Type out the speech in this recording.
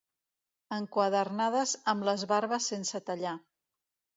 Enquadernades amb les barbes sense tallar.